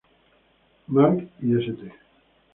Mark y St.